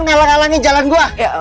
ngeleng elengin jalan gue